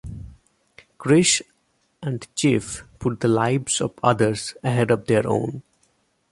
Chris and Chief put the lives of others ahead of their own.